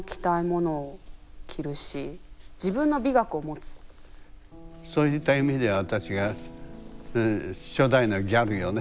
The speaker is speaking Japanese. うんそういった意味では私が初代のギャルよね。